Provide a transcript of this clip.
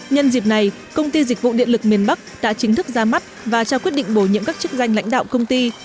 nhân dịp này công ty dịch vụ điện lực miền bắc đã chính thức ra mắt và trao quyết định bổ nhiệm các chức danh lãnh đạo công ty